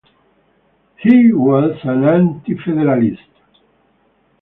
He was an Anti-Federalist.